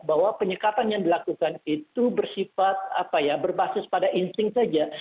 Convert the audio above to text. bahwa penyekatan yang dilakukan itu bersifat berbasis pada insting saja